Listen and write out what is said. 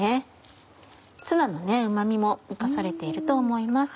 ツナのうま味も生かされていると思います。